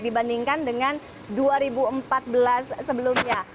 dibandingkan dengan dua ribu empat belas sebelumnya